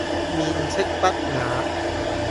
面斥不雅